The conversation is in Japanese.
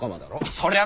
そりゃあ